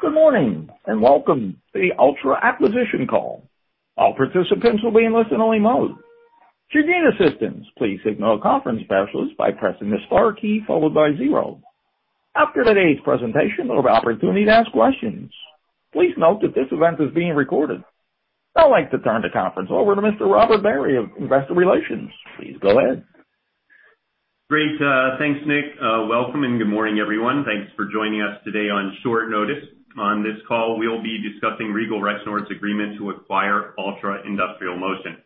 Good morning, and welcome to the Altra Acquisition Call. All participants will be in listen-only mode. To gain assistance, please signal a conference specialist by pressing the star key followed by zero. After today's presentation, there will be opportunity to ask questions. Please note that this event is being recorded. I'd like to turn the conference over to Mr. Robert Barry of Investor Relations. Please go ahead. Great. Thanks, Nick. Welcome and good morning, everyone. Thanks for joining us today on short notice. On this call, we'll be discussing Regal Rexnord's agreement to acquire Altra Industrial Motion.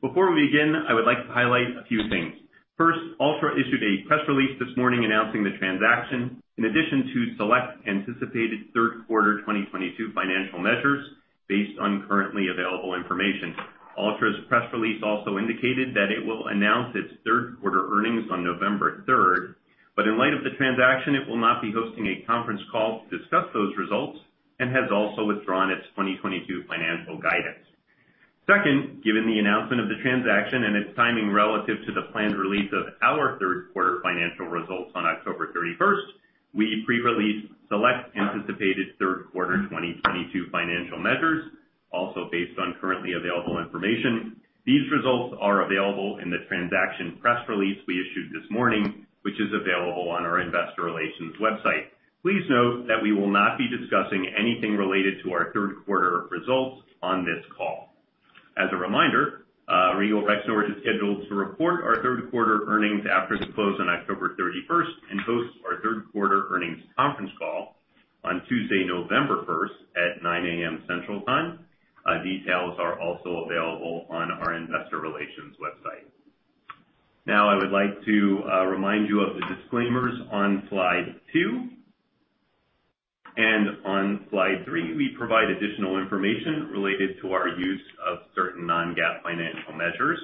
Before we begin, I would like to highlight a few things. First, Altra issued a press release this morning announcing the transaction in addition to select anticipated Q3, 2022 financial measures based on currently available information. Altra's press release also indicated that it will announce its Q3 earnings on November 3rd, but in light of the transaction, it will not be hosting a conference call to discuss those results and has also withdrawn its 2022 financial guidance. Second, given the announcement of the transaction and its timing relative to the planned release of our Q3 financial results on October 31st, we pre-released select anticipated Q3, 2022 financial measures, also based on currently available information. These results are available in the transaction press release we issued this morning, which is available on our investor relations website. Please note that we will not be discussing anything related to our Q3 results on this call. As a reminder, Regal Rexnord is scheduled to report our Q3 earnings after the close on October 31st and host our Q3 earnings conference call on Tuesday, November 1st at 9:00 A.M. Central Time. Details are also available on our investor relations website. Now I would like to remind you of the disclaimers on slide two. On slide three, we provide additional information related to our use of certain non-GAAP financial measures.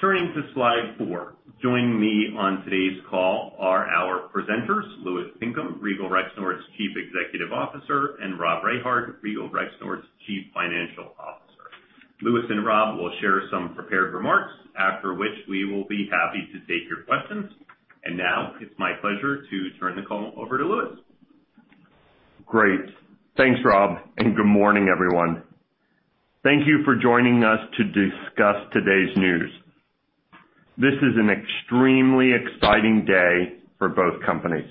Turning to slide four. Joining me on today's call are our presenters, Louis Pinkham, Regal Rexnord's Chief Executive Officer, and Robert Rehard, Regal Rexnord's Chief Financial Officer. Louis and Rob will share some prepared remarks, after which we will be happy to take your questions. Now it's my pleasure to turn the call over to Louis. Great. Thanks, Rob, and good morning, everyone. Thank you for joining us to discuss today's news. This is an extremely exciting day for both companies.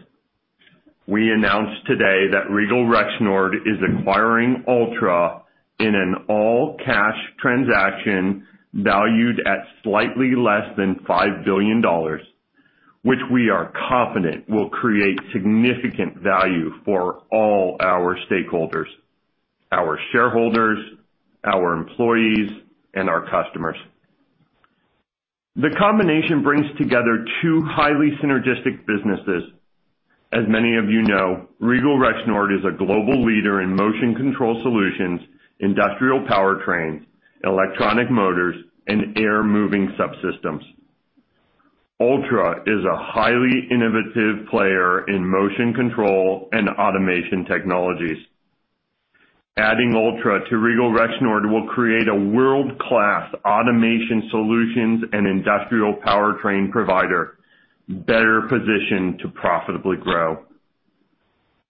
We announced today that Regal Rexnord is acquiring Altra in an all-cash transaction valued at slightly less than $5 billion, which we are confident will create significant value for all our stakeholders, our shareholders, our employees, and our customers. The combination brings together two highly synergistic businesses. As many of you know, Regal Rexnord is a global leader in motion control solutions, industrial powertrains, electric motors, and air moving subsystems. Altra is a highly innovative player in motion control and automation technologies. Adding Altra to Regal Rexnord will create a world-class automation solutions and industrial powertrain provider, better positioned to profitably grow.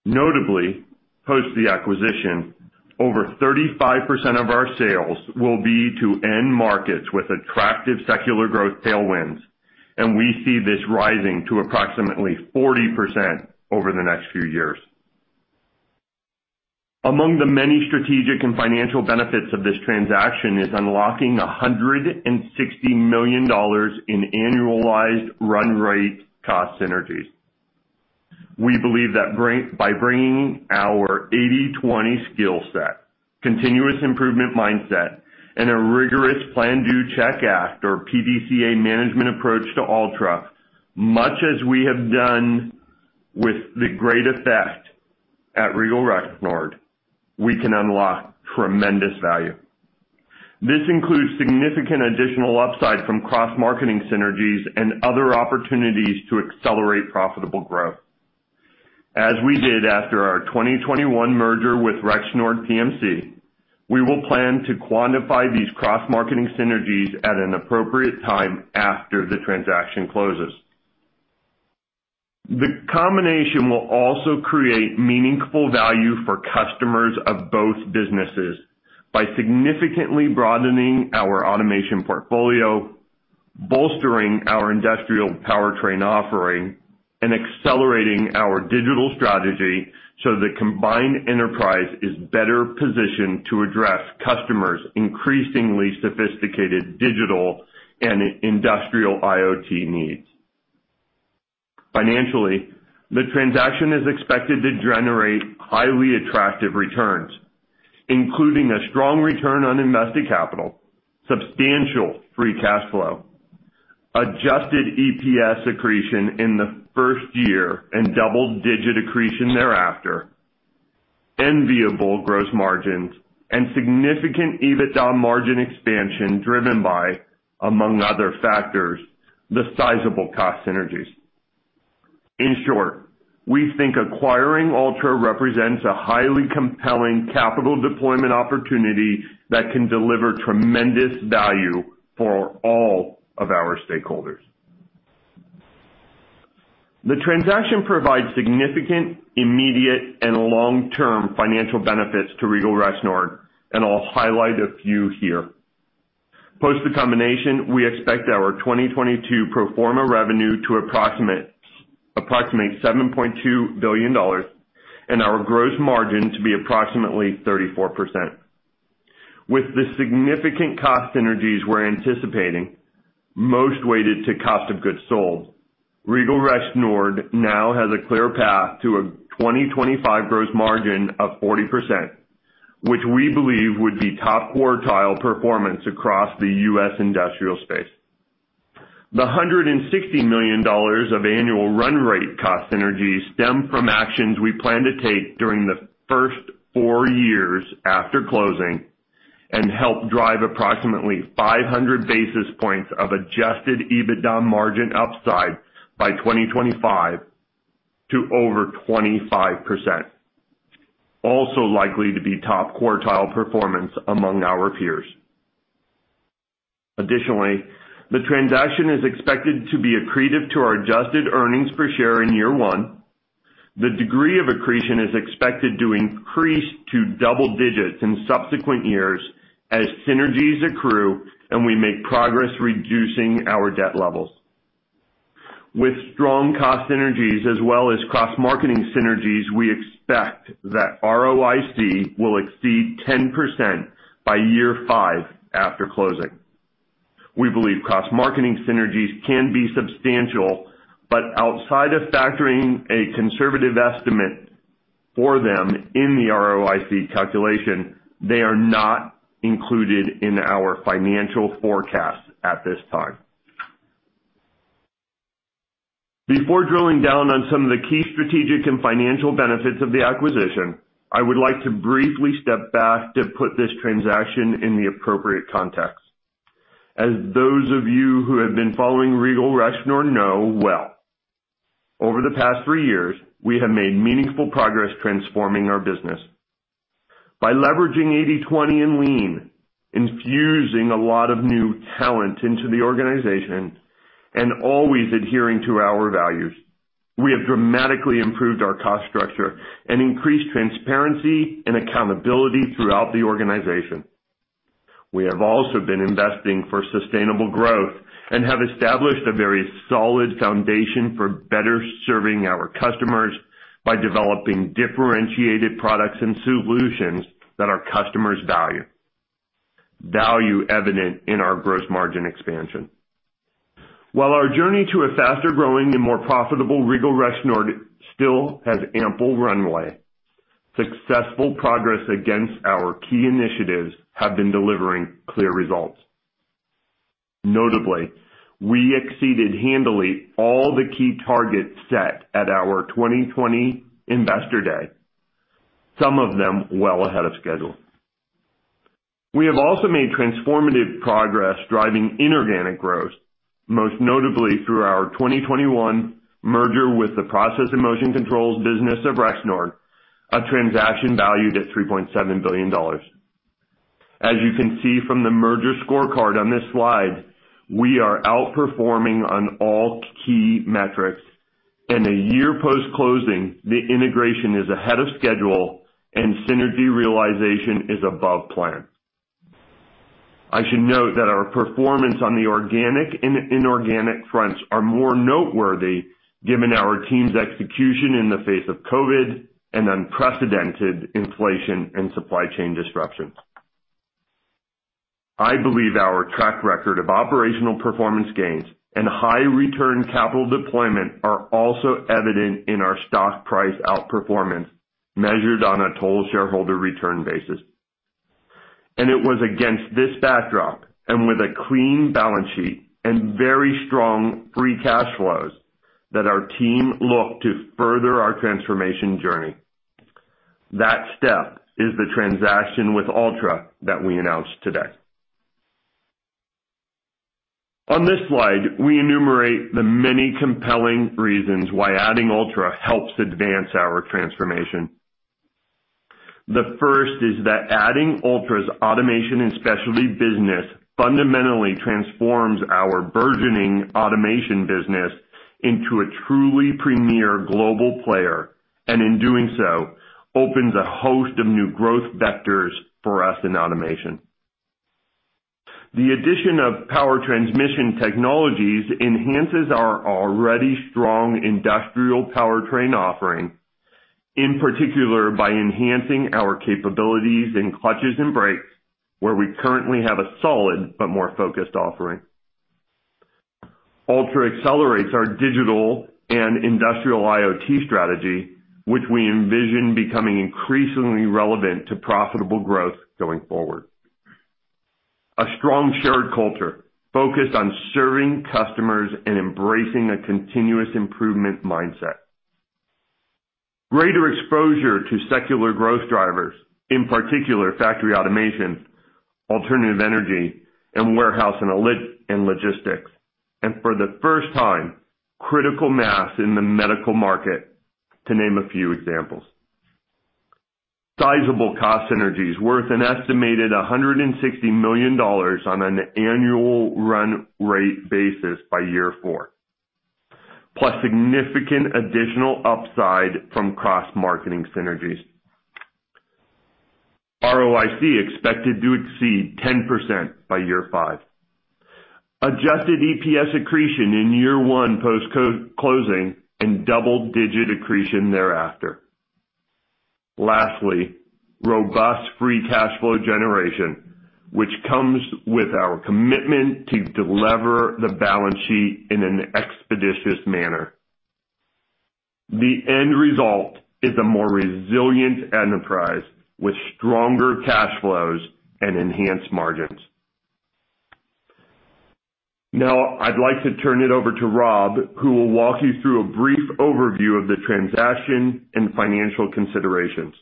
Notably, post the acquisition, over 35% of our sales will be to end markets with attractive secular growth tailwinds, and we see this rising to approximately 40% over the next few years. Among the many strategic and financial benefits of this transaction is unlocking $160 million in annualized run rate cost synergies. We believe by bringing our 80/20 skill set, continuous improvement mindset, and a rigorous Plan-Do-Check-Act or PDCA management approach to Altra, much as we have done with the great effect at Regal Rexnord, we can unlock tremendous value. This includes significant additional upside from cross-marketing synergies and other opportunities to accelerate profitable growth. As we did after our 2021 merger with Rexnord PMC, we will plan to quantify these cross-marketing synergies at an appropriate time after the transaction closes. The combination will also create meaningful value for customers of both businesses by significantly broadening our automation portfolio, bolstering our industrial powertrain offering, and accelerating our digital strategy so the combined enterprise is better positioned to address customers increasingly sophisticated digital and industrial IoT needs. Financially, the transaction is expected to generate highly attractive returns, including a strong return on invested capital, substantial free cash flow, adjusted EPS accretion in the first year and double-digit accretion thereafter, enviable gross margins, and significant EBITDA margin expansion driven by, among other factors, the sizable cost synergies. In short, we think acquiring Altra represents a highly compelling capital deployment opportunity that can deliver tremendous value for all of our stakeholders. The transaction provides significant, immediate, and long-term financial benefits to Regal Rexnord, and I'll highlight a few here. Post the combination, we expect our 2022 pro forma revenue to approximate $7.2 billion and our gross margin to be approximately 34%. With the significant cost synergies we're anticipating, most weighted to cost of goods sold, Regal Rexnord now has a clear path to a 2025 gross margin of 40%, which we believe would be top quartile performance across the U.S. industrial space. The $160 million of annual run rate cost synergies stem from actions we plan to take during the first four years after closing, and help drive approximately 500 basis points of Adjusted EBITDA margin upside by 2025 to over 25%. Also likely to be top quartile performance among our peers. Additionally, the transaction is expected to be accretive to our adjusted earnings per share in year one. The degree of accretion is expected to increase to double digits in subsequent years as synergies accrue and we make progress reducing our debt levels. With strong cost synergies as well as cross-marketing synergies, we expect that ROIC will exceed 10% by year five after closing. We believe cross-marketing synergies can be substantial, but outside of factoring a conservative estimate for them in the ROIC calculation, they are not included in our financial forecast at this time. Before drilling down on some of the key strategic and financial benefits of the acquisition, I would like to briefly step back to put this transaction in the appropriate context. As those of you who have been following Regal Rexnord know well, over the past three years, we have made meaningful progress transforming our business. By leveraging 80/20 and lean, infusing a lot of new talent into the organization, and always adhering to our values, we have dramatically improved our cost structure and increased transparency and accountability throughout the organization. We have also been investing for sustainable growth and have established a very solid foundation for better serving our customers by developing differentiated products and solutions that our customers value, evident in our gross margin expansion. While our journey to a faster growing and more profitable Regal Rexnord still has ample runway, successful progress against our key initiatives have been delivering clear results. Notably, we exceeded handily all the key targets set at our 2020 Investor Day, some of them well ahead of schedule. We have also made transformative progress driving inorganic growth, most notably through our 2021 merger with the Process and Motion Control business of Rexnord, a transaction valued at $3.7 billion. As you can see from the merger scorecard on this slide, we are outperforming on all key metrics, and a year post-closing, the integration is ahead of schedule and synergy realization is above plan. I should note that our performance on the organic and inorganic fronts are more noteworthy given our team's execution in the face of COVID and unprecedented inflation and supply chain disruptions. I believe our track record of operational performance gains and high return capital deployment are also evident in our stock price outperformance, measured on a total shareholder return basis. It was against this backdrop, and with a clean balance sheet and very strong free cash flows, that our team looked to further our transformation journey. That step is the transaction with Altra that we announced today. On this slide, we enumerate the many compelling reasons why adding Altra helps advance our transformation. The first is that adding Altra's automation and specialty business fundamentally transforms our burgeoning automation business into a truly premier global player, and in doing so, opens a host of new growth vectors for us in automation. The addition of power transmission technologies enhances our already strong industrial powertrain offering, in particular by enhancing our capabilities in clutches and brakes, where we currently have a solid but more focused offering. Altra accelerates our digital and industrial IoT strategy, which we envision becoming increasingly relevant to profitable growth going forward. A strong shared culture focused on serving customers and embracing a continuous improvement mindset. Greater exposure to secular growth drivers, in particular, factory automation, alternative energy, and warehouse and logistics. For the first time, critical mass in the medical market, to name a few examples. Sizable cost synergies worth an estimated $160 million on an annual run rate basis by year four, plus significant additional upside from cross-marketing synergies. ROIC expected to exceed 10% by year five. Adjusted EPS accretion in year one post co-closing and double-digit accretion thereafter. Lastly, robust free cash flow generation, which comes with our commitment to delever the balance sheet in an expeditious manner. The end result is a more resilient enterprise with stronger cash flows and enhanced margins. Now I'd like to turn it over to Rob, who will walk you through a brief overview of the transaction and financial considerations.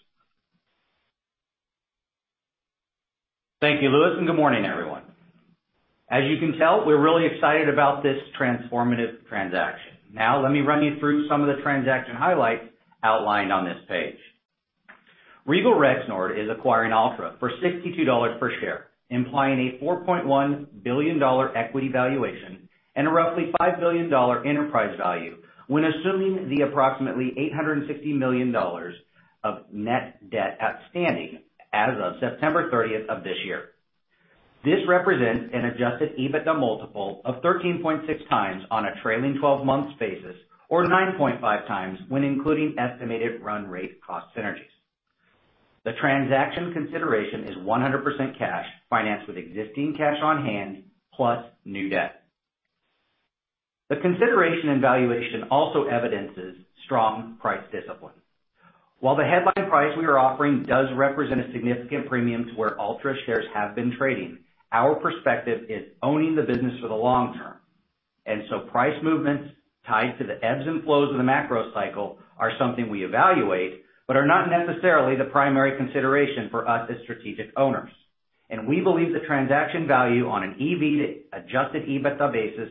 Thank you, Louis, and good morning, everyone. As you can tell, we're really excited about this transformative transaction. Now let me run you through some of the transaction highlights outlined on this page. Regal Rexnord is acquiring Altra for $62 per share, implying a $4.1 billion equity valuation and a roughly $5 billion enterprise value when assuming the approximately $860 million of net debt outstanding as of September 30th of this year. This represents an Adjusted EBITDA multiple of 13.6x on a trailing twelve months basis or 9.5x when including estimated run rate cost synergies. The transaction consideration is 100% cash financed with existing cash on hand plus new debt. The consideration and valuation also evidences strong price discipline. While the headline price we are offering does represent a significant premium to where Altra shares have been trading, our perspective is owning the business for the long term. Price movements tied to the ebbs and flows of the macro cycle are something we evaluate, but are not necessarily the primary consideration for us as strategic owners. We believe the transaction value on an EV to Adjusted EBITDA basis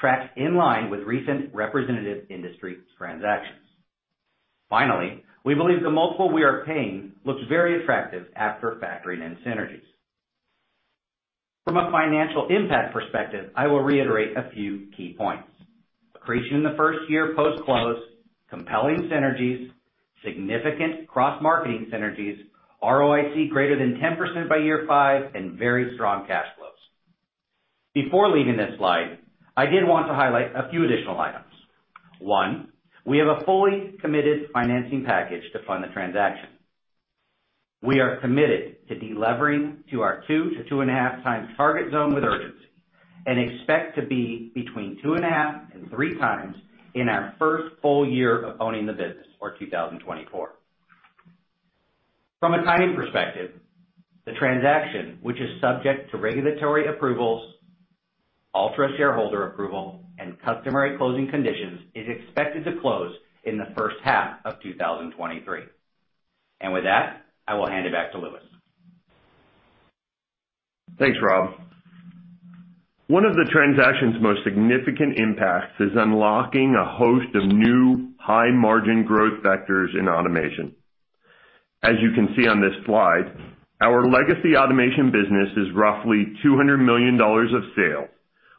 tracks in line with recent representative industry transactions. Finally, we believe the multiple we are paying looks very attractive after factoring in synergies. From a financial impact perspective, I will reiterate a few key points. Accretion in the first year post-close, compelling synergies, significant cross-marketing synergies, ROIC greater than 10% by year five, and very strong cash flows. Before leaving this slide, I did want to highlight a few additional items. One, we have a fully committed financing package to fund the transaction. We are committed to delevering to our 2x to 2.5x target zone with urgency, and expect to be between 2.5x and 3x in our first full year of owning the business, or 2024. From a timing perspective, the transaction, which is subject to regulatory approvals, Altra shareholder approval, and customary closing conditions, is expected to close in the H1 of 2023. With that, I will hand it back to Louis. Thanks, Rob. One of the transaction's most significant impacts is unlocking a host of new high-margin growth vectors in automation. As you can see on this slide, our legacy automation business is roughly $200 million of sales,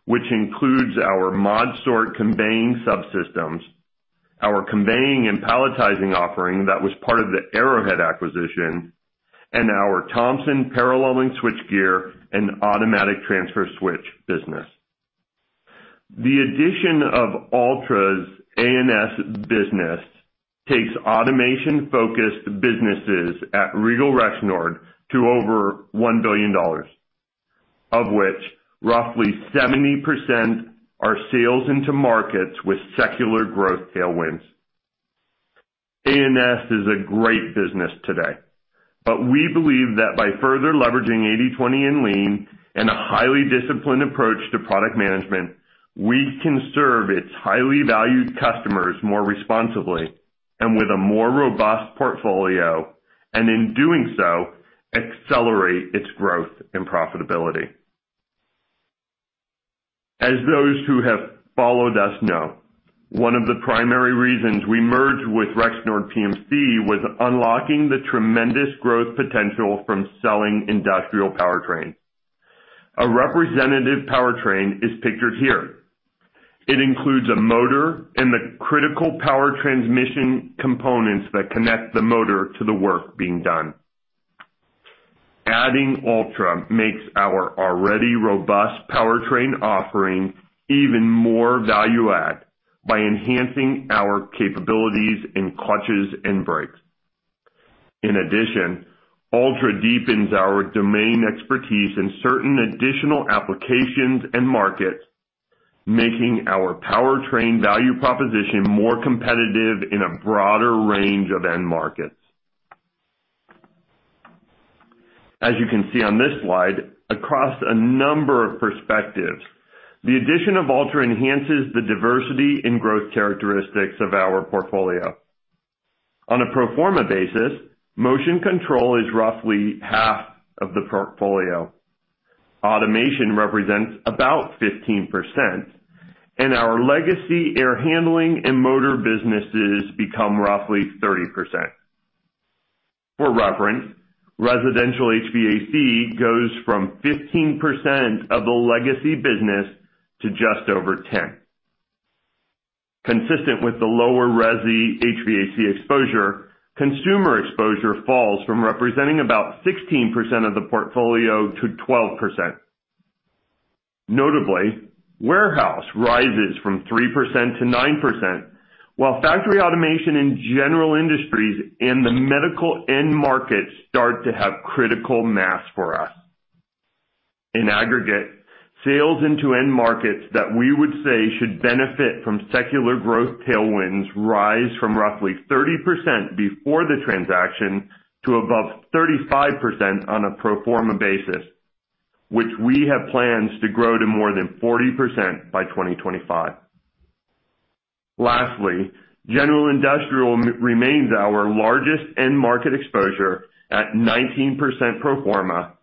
which includes our ModSort conveying subsystems, our conveying and palletizing offering that was part of the Arrowhead acquisition, and our Thomson paralleling switchgear and automatic transfer switch business. The addition of Altra's A&S business takes automation-focused businesses at Regal Rexnord to over $1 billion, of which roughly 70% are sales into markets with secular growth tailwinds. A&S is a great business today, but we believe that by further leveraging 80/20 and lean in a highly disciplined approach to product management, we can serve its highly valued customers more responsibly and with a more robust portfolio, and in doing so, accelerate its growth and profitability. As those who have followed us know, one of the primary reasons we merged with Rexnord PMC was unlocking the tremendous growth potential from selling industrial powertrain. A representative powertrain is pictured here. It includes a motor and the critical power transmission components that connect the motor to the work being done. Adding Altra makes our already robust powertrain offering even more value add by enhancing our capabilities in clutches and brakes. In addition, Altra deepens our domain expertise in certain additional applications and markets, making our powertrain value proposition more competitive in a broader range of end markets. As you can see on this slide, across a number of perspectives, the addition of Altra enhances the diversity and growth characteristics of our portfolio. On a pro forma basis, motion control is roughly half of the portfolio. Automation represents about 15%, and our legacy air handling and motor businesses become roughly 30%. For reference, residential HVAC goes from 15% of the legacy business to just over 10%. Consistent with the lower resi HVAC exposure, consumer exposure falls from representing about 16% of the portfolio to 12%. Notably, warehouse rises from 3% to 9%, while factory automation in general industries and the medical end markets start to have critical mass for us. In aggregate, sales into end markets that we would say should benefit from secular growth tailwinds rise from roughly 30% before the transaction to above 35% on a pro forma basis, which we have plans to grow to more than 40% by 2025. Lastly, general industrial remains our largest end market exposure at 19% pro forma,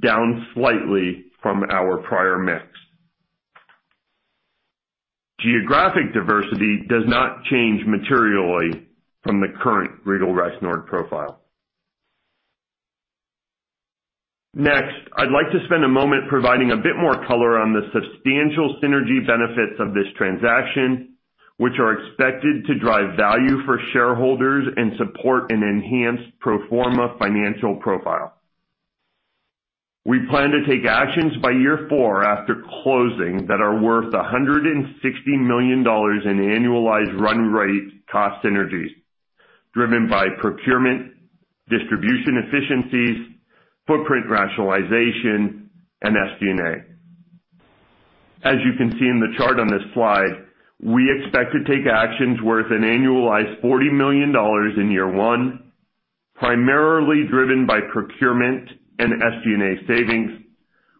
down slightly from our prior mix. Geographic diversity does not change materially from the current Regal Rexnord profile. Next, I'd like to spend a moment providing a bit more color on the substantial synergy benefits of this transaction, which are expected to drive value for shareholders and support an enhanced pro forma financial profile. We plan to take actions by year four after closing that are worth $160 million in annualized run rate cost synergies driven by procurement, distribution efficiencies, footprint rationalization, and SG&A. As you can see in the chart on this slide, we expect to take actions worth an annualized $40 million in year one, primarily driven by procurement and SG&A savings,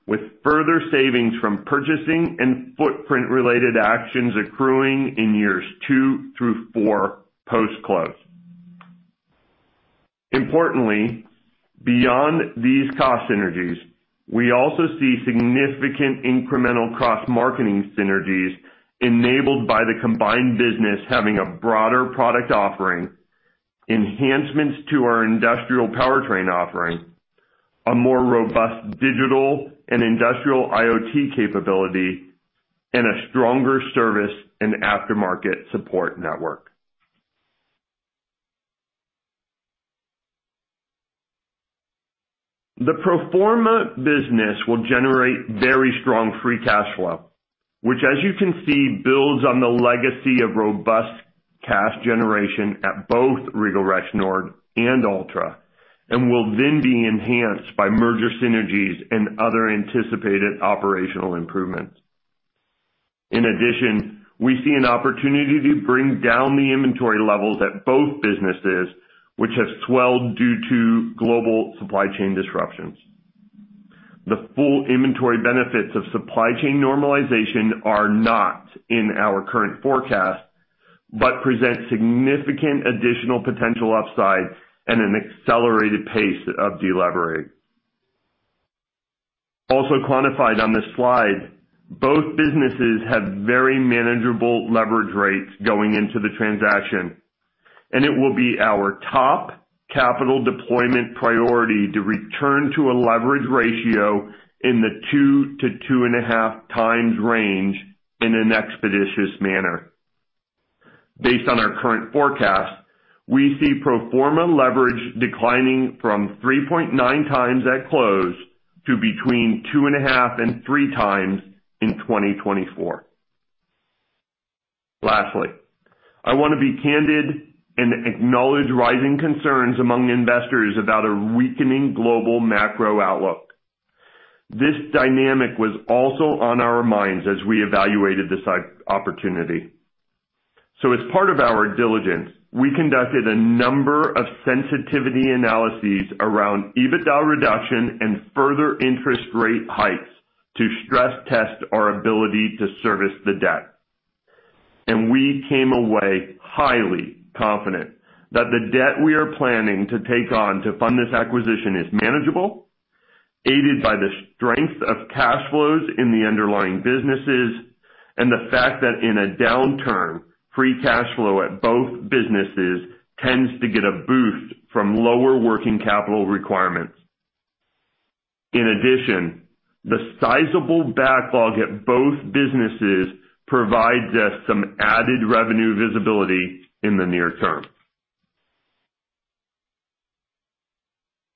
with further savings from purchasing and footprint-related actions accruing in years two through four post-close. Importantly, beyond these cost synergies, we also see significant incremental cross-marketing synergies enabled by the combined business having a broader product offering, enhancements to our industrial powertrain offering, a more robust digital and industrial IoT capability, and a stronger service and aftermarket support network. The pro forma business will generate very strong free cash flow, which, as you can see, builds on the legacy of robust cash generation at both Regal Rexnord and Altra and will then be enhanced by merger synergies and other anticipated operational improvements. In addition, we see an opportunity to bring down the inventory levels at both businesses, which have swelled due to global supply chain disruptions. The full inventory benefits of supply chain normalization are not in our current forecast, but present significant additional potential upside and an accelerated pace of deleveraging. Also quantified on this slide, both businesses have very manageable leverage rates going into the transaction, and it will be our top capital deployment priority to return to a leverage ratio in the 2x to 2.5x range in an expeditious manner. Based on our current forecast, we see pro forma leverage declining from 3.9x at close to between 2.5x and 3x in 2024. Lastly, I wanna be candid and acknowledge rising concerns among investors about a weakening global macro outlook. This dynamic was also on our minds as we evaluated this opportunity. As part of our diligence, we conducted a number of sensitivity analyses around EBITDA reduction and further interest rate hikes to stress test our ability to service the debt. We came away highly confident that the debt we are planning to take on to fund this acquisition is manageable, aided by the strength of cash flows in the underlying businesses, and the fact that in a downturn, free cash flow at both businesses tends to get a boost from lower working capital requirements. In addition, the sizable backlog at both businesses provides us some added revenue visibility in the near term.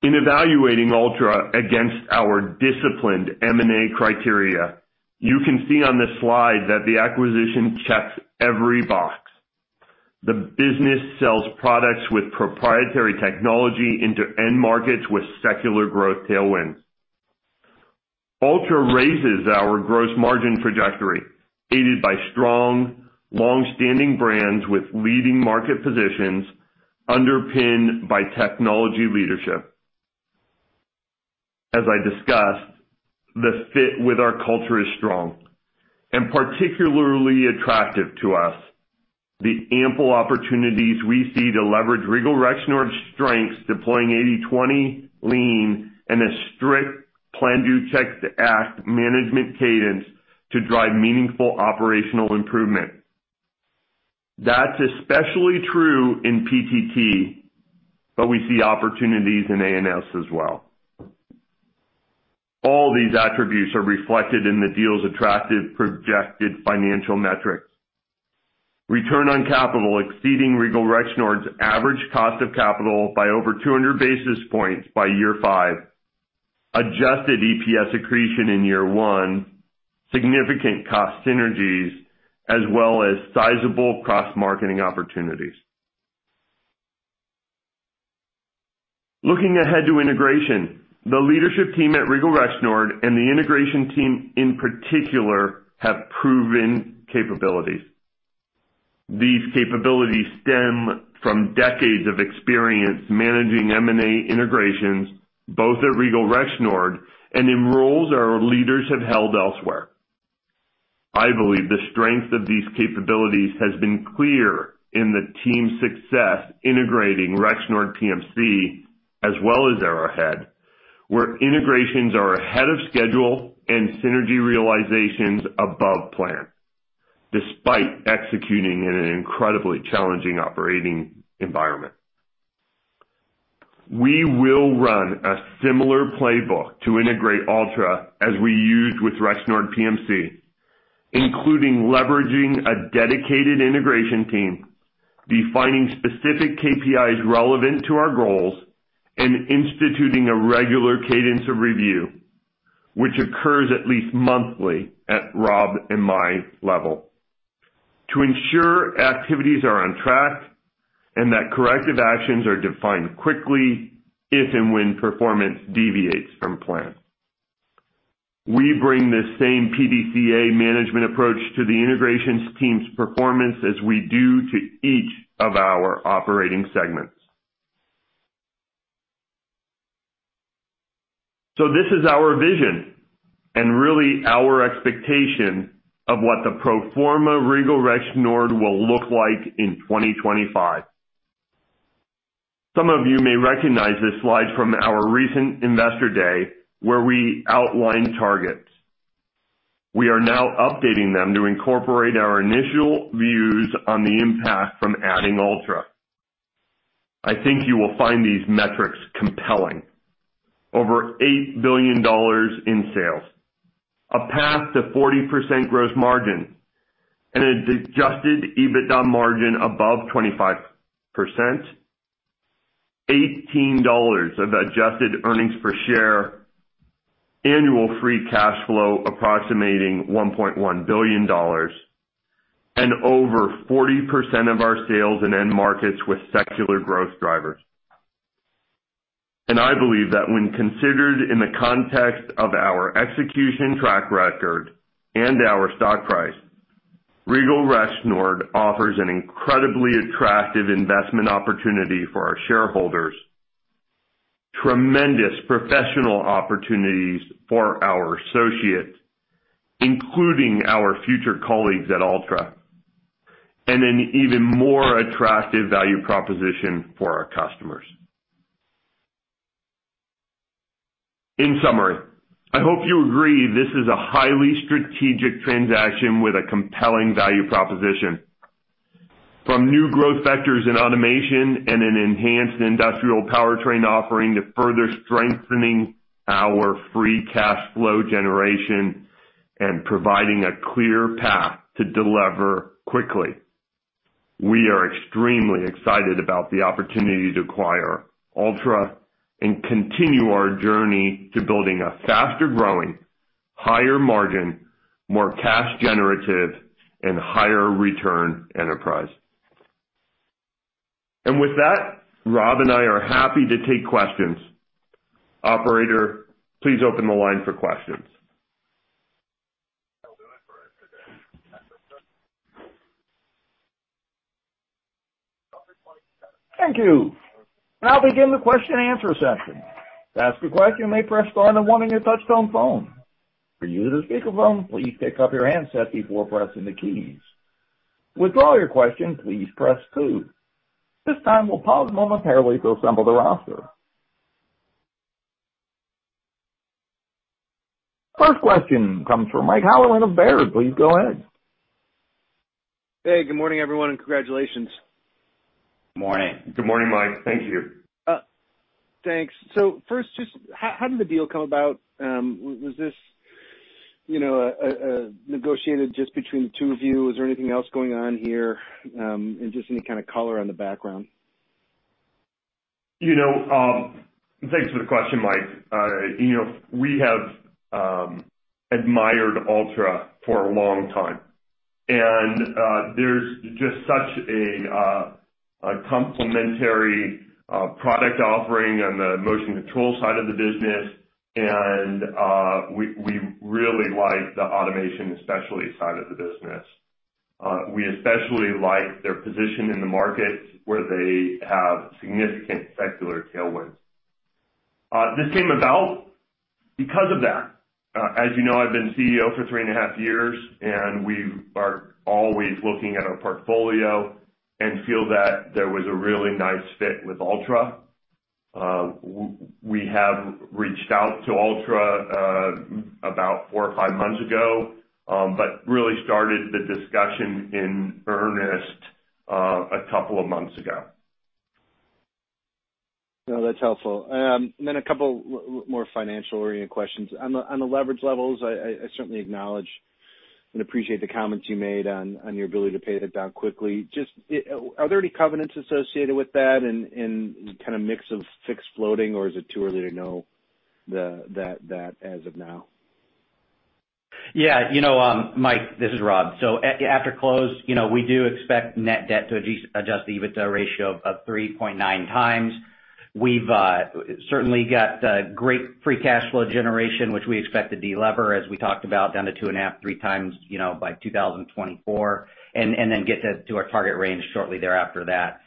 In evaluating Altra against our disciplined M&A criteria, you can see on this slide that the acquisition checks every box. The business sells products with proprietary technology into end markets with secular growth tailwinds. Altra raises our gross margin trajectory, aided by strong, long-standing brands with leading market positions underpinned by technology leadership. As I discussed, the fit with our culture is strong and particularly attractive to us. The ample opportunities we see to leverage Regal Rexnord's strengths, deploying 80/20 lean and a strict Plan-Do-Check-Act management cadence to drive meaningful operational improvement. That's especially true in PTT, but we see opportunities in A&S as well. All these attributes are reflected in the deal's attractive projected financial metrics. Return on capital exceeding Regal Rexnord's average cost of capital by over 200 basis points by year five. Adjusted EPS accretion in year one, significant cost synergies, as well as sizable cross-marketing opportunities. Looking ahead to integration, the leadership team at Regal Rexnord and the integration team in particular have proven capabilities. These capabilities stem from decades of experience managing M&A integrations, both at Regal Rexnord and in roles our leaders have held elsewhere. I believe the strength of these capabilities has been clear in the team's success integrating Rexnord PMC as well as Arrowhead, where integrations are ahead of schedule and synergy realizations above plan, despite executing in an incredibly challenging operating environment. We will run a similar playbook to integrate Altra as we used with Rexnord PMC, including leveraging a dedicated integration team, defining specific KPIs relevant to our goals, and instituting a regular cadence of review, which occurs at least monthly at Rob and my level, to ensure activities are on track and that corrective actions are defined quickly, if and when performance deviates from plan. We bring this same PDCA management approach to the integrations team's performance as we do to each of our operating segments. This is our vision and really our expectation of what the pro forma Regal Rexnord will look like in 2025. Some of you may recognize this slide from our recent Investor Day, where we outlined targets. We are now updating them to incorporate our initial views on the impact from adding Altra. I think you will find these metrics compelling. Over $8 billion in sales, a path to 40% gross margin, and an Adjusted EBITDA margin above 25%, $18 of adjusted earnings per share, annual free cash flow approximating $1.1 billion, and over 40% of our sales and end markets with secular growth drivers. I believe that when considered in the context of our execution track record and our stock price, Regal Rexnord offers an incredibly attractive investment opportunity for our shareholders, tremendous professional opportunities for our associates, including our future colleagues at Altra, and an even more attractive value proposition for our customers. In summary, I hope you agree this is a highly strategic transaction with a compelling value proposition. From new growth vectors in automation and an enhanced industrial powertrain offering to further strengthening our free cash flow generation and providing a clear path to deliver quickly, we are extremely excited about the opportunity to acquire Altra and continue our journey to building a faster growing, higher margin, more cash generative, and higher return enterprise. With that, Rob and I are happy to take questions. Operator, please open the line for questions. Thank you. Now begin the question and answer session. To ask a question, you may press star one on your touch-tone phone. For users of speakerphone, please pick up your handset before pressing the keys. To withdraw your question, please press two. This time, we'll pause momentarily to assemble the roster. First question comes from Mike Halloran of Baird. Please go ahead. Hey, good morning, everyone, and congratulations. Morning. Good morning, Mike. Thank you. Thanks. First, just how did the deal come about? Was this, you know, negotiated just between the two of you? Is there anything else going on here? Just any color on the background? You know, thanks for the question, Mike. You know, we have admired Altra for a long time. There's such a complementary product offering on the motion control side of the business. We really like the automation especially side of the business. We especially like their position in the market where they have significant secular tailwinds. This came about because of that. As you know, I've been CEO for three and half years, and we are always looking at our portfolio and feel that there was a really nice fit with Altra. We have reached out to Altra about four or five months ago, but really started the discussion in earnest a couple of months ago. That's helpful. A couple more financial-oriented questions. On the leverage levels, I certainly acknowledge and appreciate the comments you made on your ability to pay that down quickly. Are there any covenants associated with that and kind of mix of fixed floating, or is it too early to know that as of now? Yeah. You know, Mike, this is Rob. After close, you know, we do expect net debt to Adjusted EBITDA ratio of 3.9x. We've certainly got great free cash flow generation, which we expect to delever as we talked about, down to 2.5x, 3x, you know, by 2024, and then get to our target range shortly thereafter that.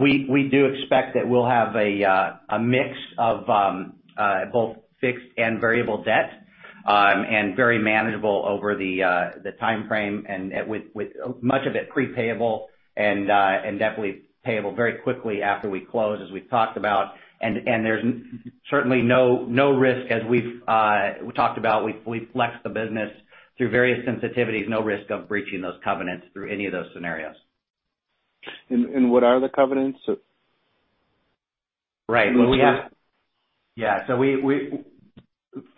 We do expect that we'll have a mix of both fixed and variable debt, and very manageable over the timeframe and with much of it pre-payable and definitely payable very quickly after we close, as we've talked about. There's certainly no risk as we've talked about. We flexed the business through various sensitivities, no risk of breaching those covenants through any of those scenarios. What are the covenants? Right. Well, yeah.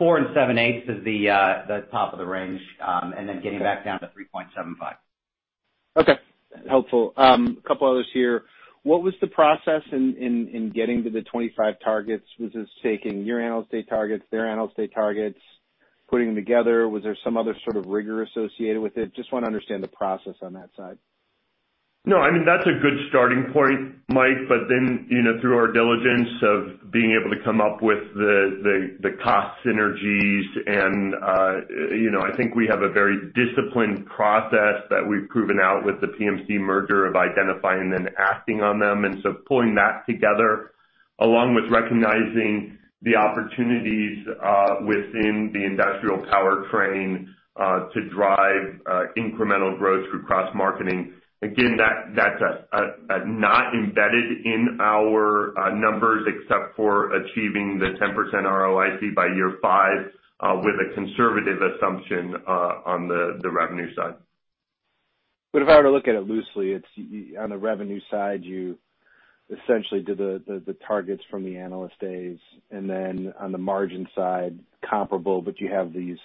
4.78% is the top of the range, and then getting back down to 3.75%. Okay. Helpful. A couple others here. What was the process in getting to the 25 targets? Was this taking your Analyst Day targets, their Analyst Day targets, putting them together? Was there some other rigor associated with it? Just wanna understand the process on that side. No, I mean, that's a good starting point, Mike. You know, through our diligence of being able to come up with the cost synergies and, you know, I think we have a very disciplined process that we've proven out with the PMC merger of identifying and then acting on them. Pulling that together, along with recognizing the opportunities within the industrial powertrain to drive incremental growth through cross-marketing. Again, that's not embedded in our numbers except for achieving the 10% ROIC by year five with a conservative assumption on the revenue side. If I were to look at it loosely, it's on the revenue side, you essentially did the targets from the analyst days, and then on the margin side comparable, but you have these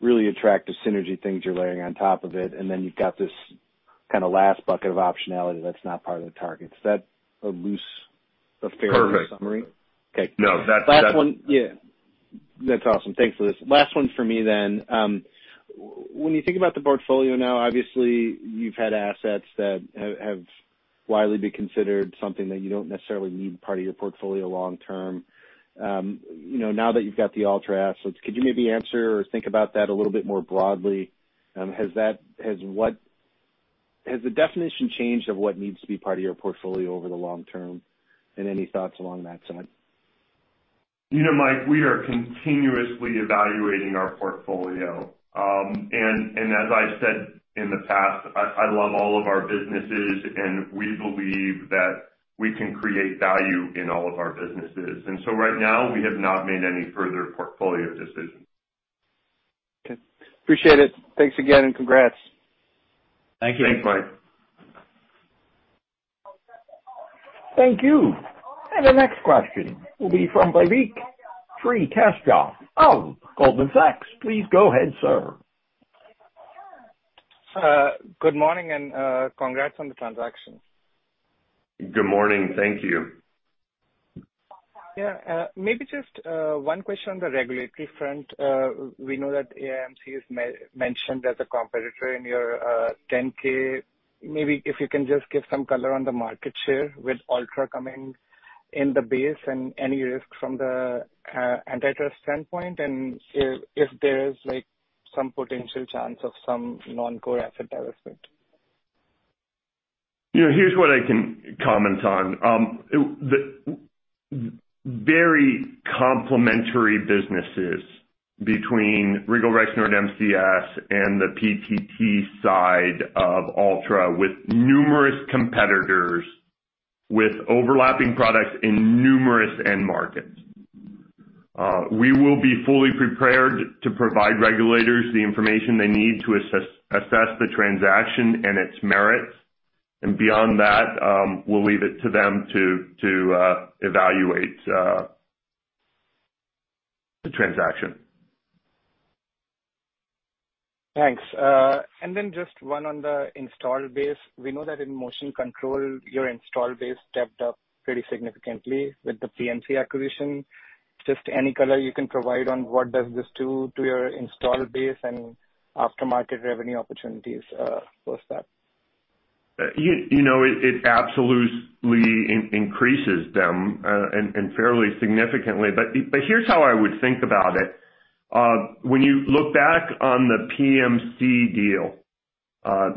really attractive synergy things you're layering on top of it, and then you've got this last bucket of optionality that's not part of the target. Is that a loose? Perfect. Okay. No. That's. Last one. Yeah. That's awesome. Thanks for this. Last one for me then. When you think about the portfolio now, obviously you've had assets that have widely been considered something that you don't necessarily need part of your portfolio long term. You know, now that you've got the Altra assets, could you maybe answer or think about that a little bit more broadly? Has the definition changed of what needs to be part of your portfolio over the long term, and any thoughts along that side? You know, Mike, we are continuously evaluating our portfolio. As I said in the past, I love all of our businesses, and we believe that we can create value in all of our businesses. Right now, we have not made any further portfolio decisions. Okay. Appreciate it. Thanks again, and congrats. Thank you. Thanks, Mike. Thank you. The next question will be from Vaibhav Srikanth of Goldman Sachs. Please go ahead, sir. Good morning and congrats on the transaction. Good morning. Thank you. Maybe just one question on the regulatory front. We know that AMC is mentioned as a competitor in your 10-K. Maybe if you can just give some color on the market share with Altra coming in the base and any risk from the antitrust standpoint, and if there is, like, some potential chance of some non-core asset divestment? You know, here's what I can comment on. The very complementary businesses between Regal Rexnord, MCS and the PTT side of Altra, with numerous competitors, with overlapping products in numerous end markets. We will be fully prepared to provide regulators the information they need to assess the transaction and its merits. Beyond that, we'll leave it to them to evaluate the transaction. Thanks. Just one on the install base. We know that in motion control, your install base stepped up pretty significantly with the PMC acquisition. Just any color you can provide on what does this do to your install base and aftermarket revenue opportunities, post that? You know, it absolutely increases them and fairly significantly. Here's how I would think about it. When you look back on the PMC deal,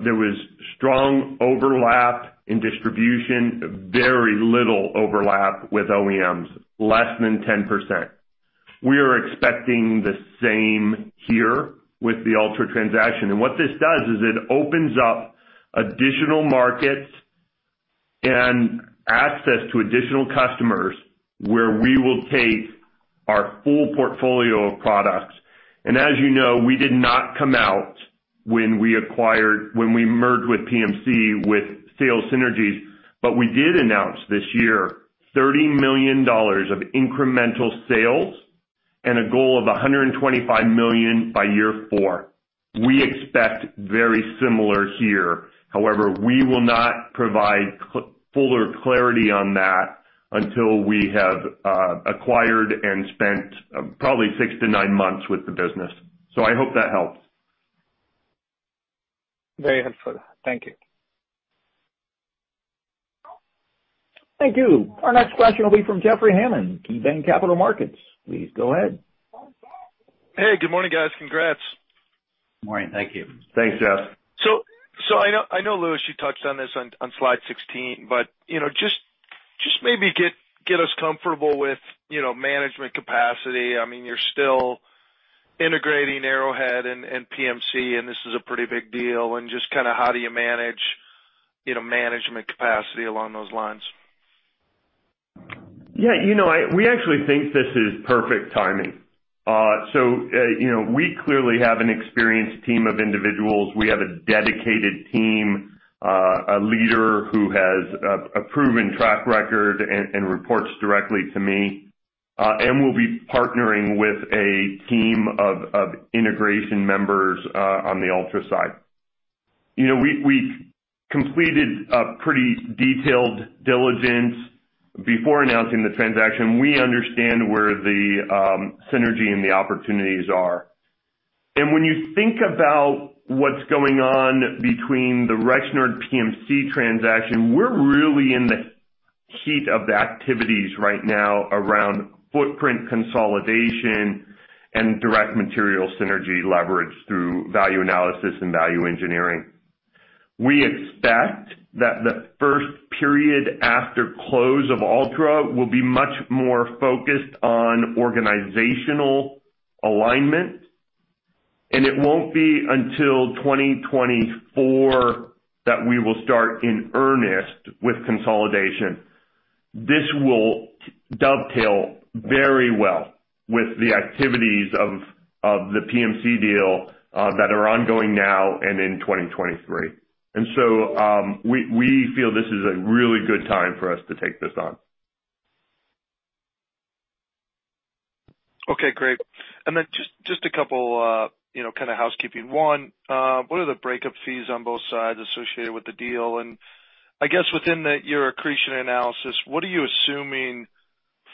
there was strong overlap in distribution, very little overlap with OEMs, less than 10%. We are expecting the same here with the Altra transaction. What this does is it opens up additional markets and access to additional customers where we will take our full portfolio of products. As you know, we did not come out when we merged with PMC with sales synergies, but we did announce this year $30 million of incremental sales and a goal of $125 million by year four. We expect very similar here. However, we will not provide fuller clarity on that until we have acquired and spent probably six to nine months with the business. I hope that helps. Very helpful. Thank you. Thank you. Our next question will be from Jeffrey Hammond, KeyBanc Capital Markets. Please go ahead. Hey, good morning, guys. Congrats. Morning. Thank you. Thanks, Jeff. I know, Louis, you touched on this on slide 16, but you know, just maybe get us comfortable with, you know, management capacity. I mean, you're still integrating Arrowhead and PMC, and this is a pretty big deal. Just how do you manage, you know, management capacity along those lines? Yeah, you know, we actually think this is perfect timing. So, you know, we clearly have an experienced team of individuals. We have a dedicated team, a leader who has a proven track record and reports directly to me, and we'll be partnering with a team of integration members on the Altra side. You know, we completed a pretty detailed diligence before announcing the transaction. We understand where the synergy and the opportunities are. When you think about what's going on between the Rexnord PMC transaction, we're really in the heat of the activities right now around footprint consolidation and direct material synergy leverage through value analysis and value engineering. We expect that the first period after close of Altra will be much more focused on organizational alignment, and it won't be until 2024 that we will start in earnest with consolidation. This will dovetail very well with the activities of the PMC deal that are ongoing now and in 2023. We feel this is a really good time for us to take this on. Okay, great. Then just a couple, you know, housekeeping. One, what are the breakup fees on both sides associated with the deal? I guess within your accretion analysis, what are you assuming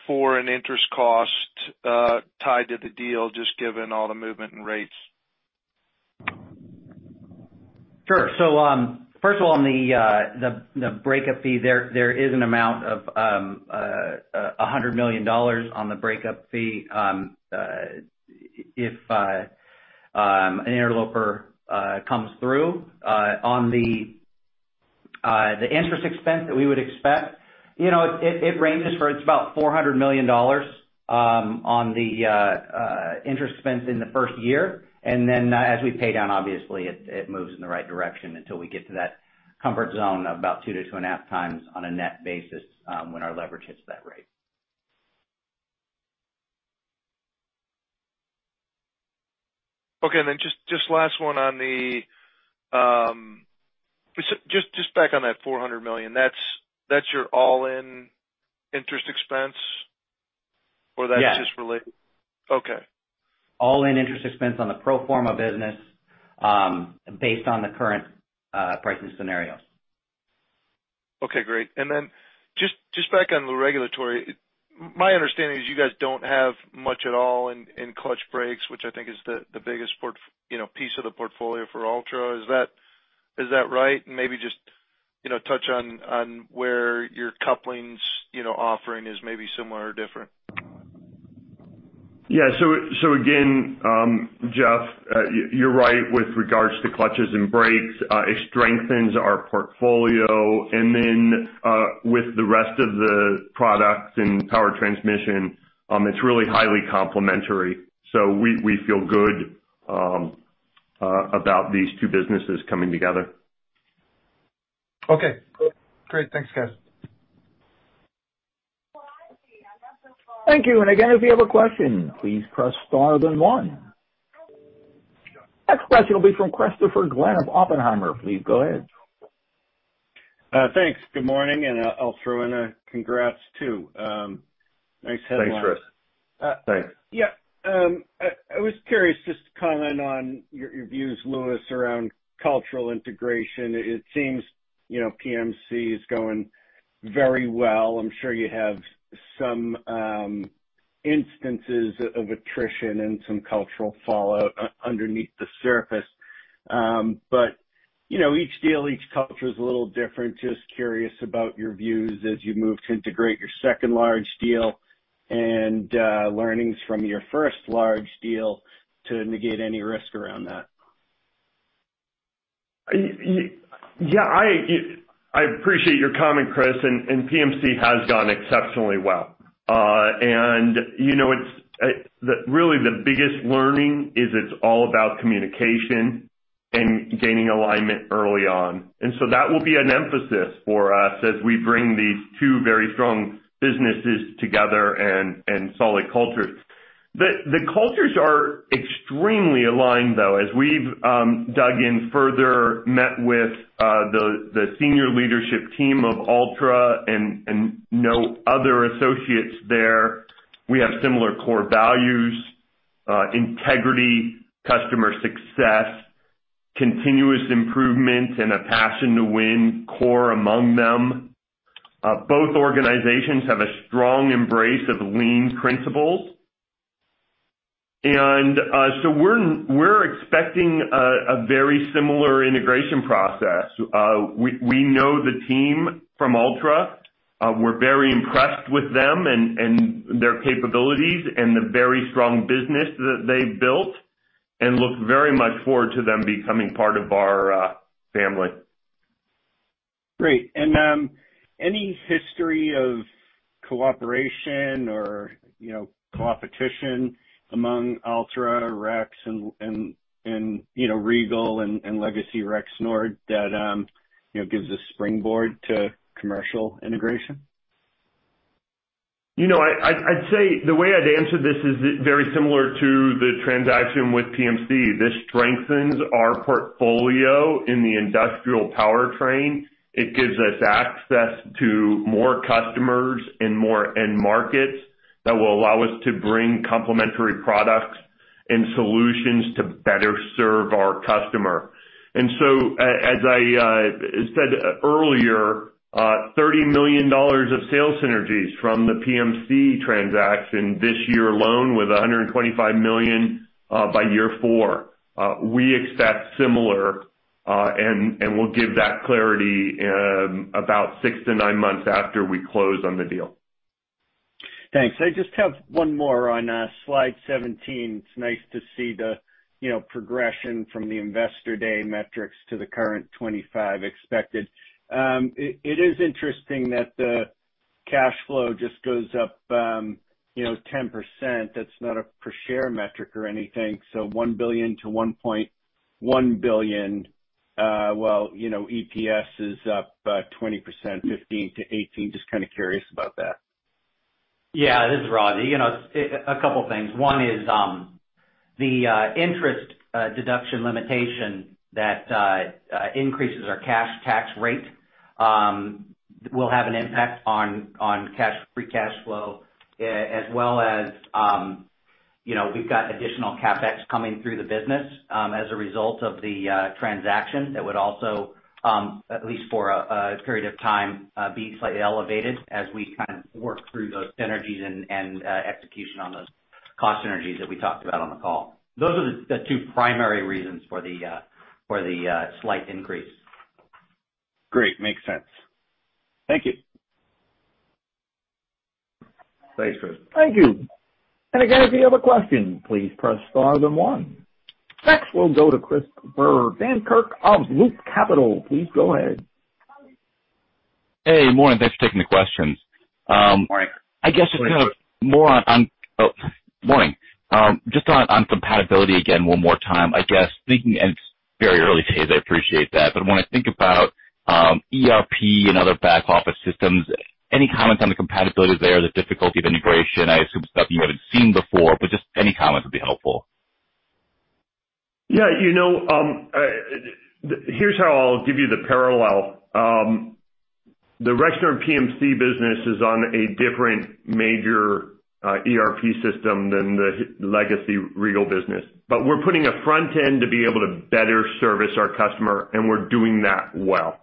for an interest cost, tied to the deal, just given all the movement in rates? Sure. First of all, on the breakup fee there is an amount of $100 million on the breakup fee, if an interloper comes through. On the interest expense that we would expect, you know, it's about $400 million on the interest expense in the first year. As we pay down, obviously it moves in the right direction until we get to that comfort zone of about 2x, 2.5x on a net basis, when our leverage hits that rate. Okay. Just last one. Back on that $400 million, that's your all-in interest expense? Yeah. Just related? Okay. All-in interest expense on the pro forma business, based on the current pricing scenarios. Okay, great. Then just back on the regulatory. My understanding is you guys don't have much at all in clutch brakes, which I think is the biggest you know, piece of the portfolio for Altra. Is that right? Maybe just, you know, touch on where your couplings, offering is maybe similar or different. Again, Jeff, you're right with regards to clutches and brakes. It strengthens our portfolio. With the rest of the products and power transmission, it's really highly complementary. We feel good about these two businesses coming together. Okay, cool. Great. Thanks, guys. Thank you. Again, if you have a question, please press star then one. Next question will be from Christopher Glynn of Oppenheimer. Please go ahead. Thanks. Good morning, I'll throw in a congrats, too. Nice headline. Thanks, Chris. Thanks. Yeah. I was curious just to comment on your views, Louis, around cultural integration. You know, PMC is going very well. I'm sure you have some instances of attrition and some cultural fallout underneath the surface. You know, each deal, each culture is a little different. Just curious about your views as you move to integrate your second large deal and learnings from your first large deal to negate any risk around that. Yeah, I appreciate your comment, Chris, and PMC has gone exceptionally well. You know, it's really the biggest learning is it's all about communication and gaining alignment early on. That will be an emphasis for us as we bring these two very strong businesses together and solid cultures. The cultures are extremely aligned though. As we've dug in further, met with the senior leadership team of Altra and know other associates there, we have similar core values, integrity, customer success, continuous improvement, and a passion to win core among them. Both organizations have a strong embrace of lean principles. We're expecting a very similar integration process. We know the team from Altra. We're very impressed with them and their capabilities and the very strong business that they've built and look very much forward to them becoming part of our family. Great. Any history of cooperation or, you know, competition among Altra, Rex and, you know, Regal and legacy Rexnord that, you know, gives a springboard to commercial integration? You know, I'd say the way I'd answer this is very similar to the transaction with PMC. This strengthens our portfolio in the industrial powertrain. It gives us access to more customers and more end markets that will allow us to bring complementary products and solutions to better serve our customer. As I said earlier, $30 million of sales synergies from the PMC transaction this year alone with $125 million by year four. We expect similar, and we'll give that clarity about six to nine months after we close on the deal. Thanks. I just have one more on slide 17. It's nice to see the, you know, progression from the investor day metrics to the current 2025 expected. It is interesting that the cash flow just goes up, you know, 10%. That's not a per share metric or anything. $1 billion-$1.1 billion. Well, you know, EPS is up 20%, $15-$18. Just kind of curious about that. Yeah, this is Rob. You know, a couple things. One is the interest deduction limitation that increases our cash tax rate will have an impact on free cash flow as well as, you know, we've got additional CapEx coming through the business as a result of the transaction that would also, at least for a period of time, be slightly elevated as we work through those synergies and execution on those cost synergies that we talked about on the call. Those are the two primary reasons for the slight increase. Great. Makes sense. Thank you. Thanks, Chris. Thank you. Again, if you have a question, please press star then one. Next we'll go to Christopher Dankert of Loop Capital Markets. Please go ahead. Hey, morning. Thanks for taking the questions. Morning. Good morning. Just on compatibility again one more time. I guess thinking, it's very early days, I appreciate that, but when I think about ERP and other back office systems, any comments on the compatibility there, the difficulty of integration? I assume stuff you hadn't seen before, but just any comments would be helpful. Yeah, you know, here's how I'll give you the parallel. The Rexnord PMC business is on a different major ERP system than the legacy Regal business. We're putting a front end to be able to better service our customer, and we're doing that well.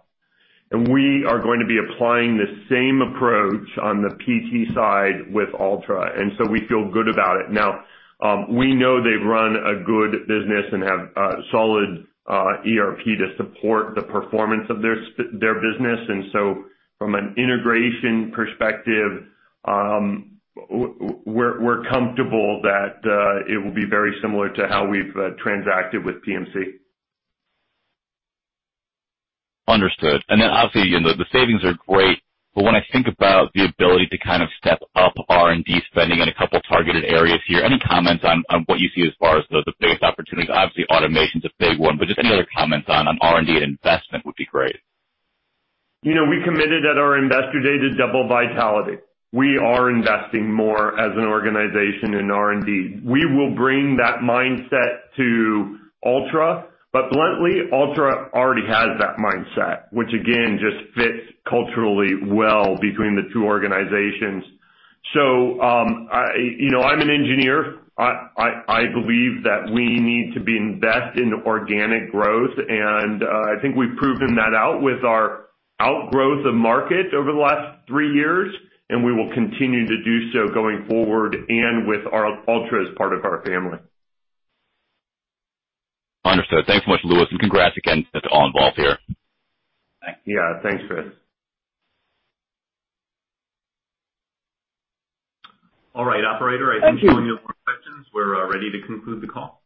We are going to be applying the same approach on the PT side with Altra, and so we feel good about it. Now, we know they've run a good business and have solid ERP to support the performance of their their business. From an integration perspective, we're comfortable that it will be very similar to how we've transacted with PMC. Understood. Obviously, you know, the savings are great, but when I think about the ability to step up R&D spending in a couple of targeted areas here, any comments on what you see as far as the biggest opportunities? Obviously, automation is a big one, but just any other comments on R&D and investment would be great. You know, we committed at our Investor Day to double vitality. We are investing more as an organization in R&D. We will bring that mindset to Altra but bluntly, Altra already has that mindset, which again just fits culturally well between the two organizations. I, you know, I'm an engineer. I believe that we need to invest in organic growth. I think we've proven that out with our outgrow the market over the last three years, and we will continue to do so going forward and with Altra as part of our family. Understood. Thanks so much, Louis, and congrats again to all involved here. Yeah, thanks, Chris. All right, operator, I think. Thank you. We have no more questions. We're ready to conclude the call.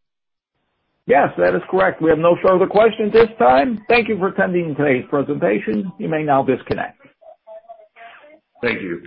Yes, that is correct. We have no further questions at this time. Thank you for attending today's presentation. You may now disconnect. Thank you.